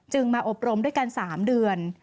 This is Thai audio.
มาอบรมด้วยกัน๓เดือน